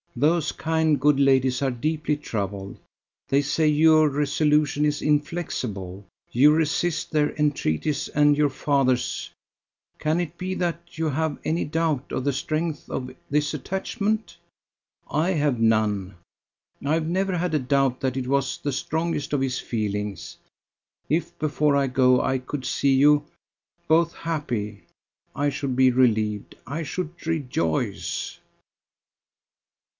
Those kind good ladies are deeply troubled. They say your resolution is inflexible; you resist their entreaties and your father's. Can it be that you have any doubt of the strength of this attachment? I have none. I have never had a doubt that it was the strongest of his feelings. If before I go I could see you ... both happy, I should be relieved, I should rejoice."